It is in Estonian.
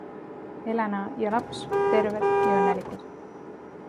Elena ja laps terved ja õnnelikud.